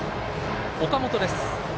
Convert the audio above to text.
岡本です。